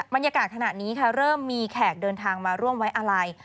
บรรยากาศขณะนี้ค่ะเริ่มมีแขกเดินทางมาร่วมไว้อาลัย